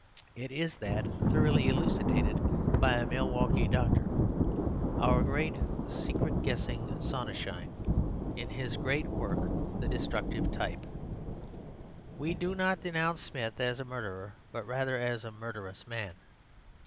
It is that thoroughly elucidated by a Milwaukee doctor, our great secret guessing Sonnenschein, in his great work, 'The Destructive Type.' We do not denounce Smith as a murderer, but rather as a murderous man.